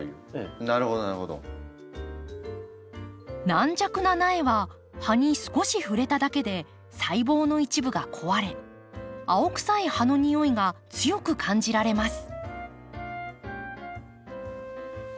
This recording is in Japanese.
軟弱な苗は葉に少し触れただけで細胞の一部が壊れ青臭い葉のにおいが強く感じられます。